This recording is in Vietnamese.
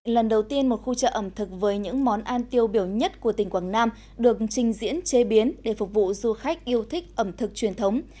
lần đầu tiên một khu chợ ẩm thực với những món ăn tiêu biểu nhất của tỉnh quảng nam được trình diễn chế biến để phục vụ du khách yêu thích ẩm thực truyền thống